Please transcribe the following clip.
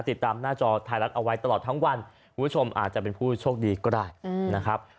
ติดตามหน้าจอไทยรัฐเอาไว้ตลอดทั้งวันคุณผู้ชมอาจจะเป็นผู้โชคดีก็ได้นะครับ